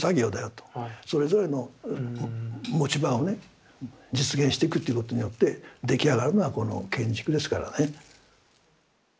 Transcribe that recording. それぞれの持ち場をね実現してくっていうことによって出来上がるのはこの建築ですからね。